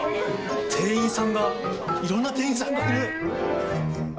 店員さんが、いろんな店員さんがいる。